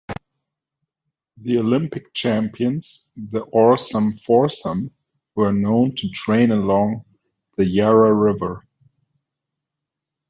The Olympic champions, the Oarsome Foursome, were known to train along the Yarra river.